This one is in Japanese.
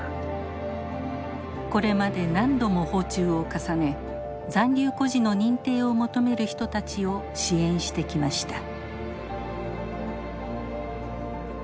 これまで何度も訪中を重ね残留孤児の認定を求める人たちを支援してきました。